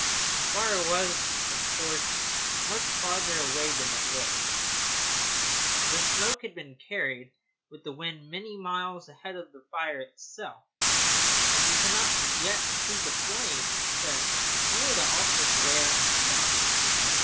The fire was, of course, much further away than it looked; the smoke had been carried with the wind many miles ahead of the fire itself, and we could not yet see the flames, but only the awful glare in the sky.